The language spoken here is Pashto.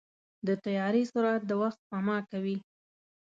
د طیارې سرعت د وخت سپما کوي.